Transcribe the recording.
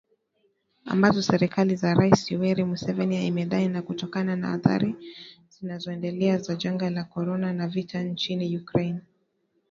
Ambazo serikali ya Rais Yoweri Museveni imedai ni kutokana na athari zinazoendelea za janga la korona na vita nchini Ukraine.